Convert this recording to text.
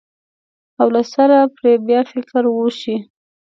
او له سره پرې بیا فکر وشي.